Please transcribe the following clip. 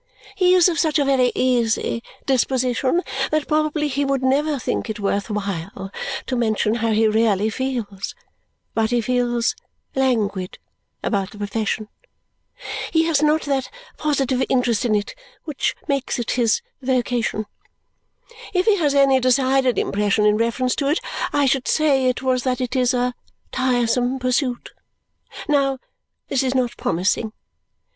He is of such a very easy disposition that probably he would never think it worth while to mention how he really feels, but he feels languid about the profession. He has not that positive interest in it which makes it his vocation. If he has any decided impression in reference to it, I should say it was that it is a tiresome pursuit. Now, this is not promising.